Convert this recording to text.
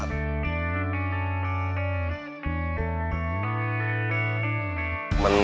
ค่อยสอนเราอะไรเราก็พัฒนาขึ้นมาครับ